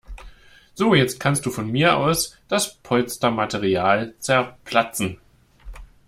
So, jetzt kannst du von mir aus das Polstermaterial zerplatzen.